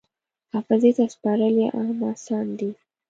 حافظې ته سپارل یې هم اسانه دي.